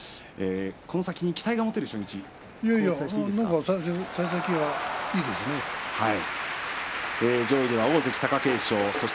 この先期待の持てる初日でした。